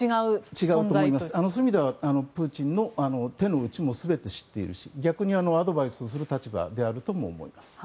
そういう意味ではプーチンの手の内も全て知っているし逆にアドバイスする立場でもあると思います。